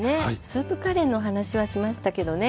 スープカレーの話はしましたけどね